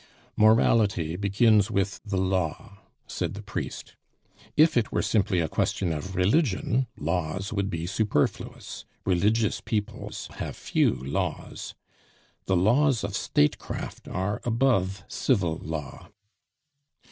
"Morality begins with the law," said the priest. "If it were simply a question of religion, laws would be superfluous; religious peoples have few laws. The laws of statecraft are above civil law.